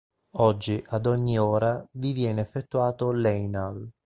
Oggi, ad ogni ora, vi viene effettuato l"'Hejnał".